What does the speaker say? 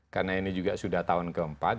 karena ini juga sudah tahun keempat